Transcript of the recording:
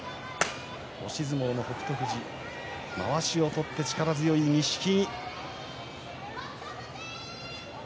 押し相撲の北勝富士まわしを取って力強い錦木。